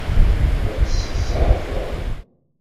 Ad tt-tseɛfeḍ?